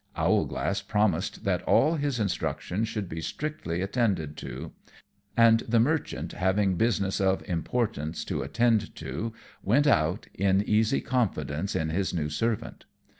Owlglass promised that all his instructions should be strictly attended to; and the Merchant, having business of importance to attend to, went out in easy confidence in his new servant.